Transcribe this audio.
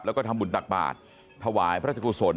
แล้วก็ทำบุญตักบาทถวายพระราชกุศล